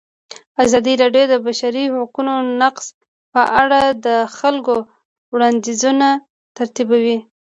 ازادي راډیو د د بشري حقونو نقض په اړه د خلکو وړاندیزونه ترتیب کړي.